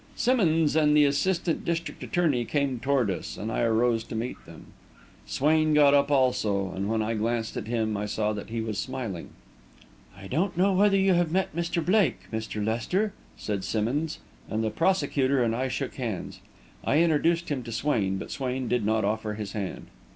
Simmonds and the assistant district attorney came toward us, and I arose to meet them. Swain got up, also, and when I glanced at him I saw that he was smiling. "I don't know whether you have met Mr. Blake, Mr. Lester," said Simmonds, and the prosecutor and I shook hands. I introduced him to Swain, but Swain did not offer his hand.